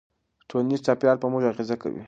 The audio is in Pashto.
ټولنیز چاپېریال په موږ اغېزه کوي.